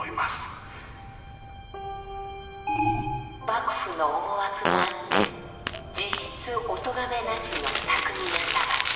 幕府の思惑もあって実質おとがめなしの巧みな裁き。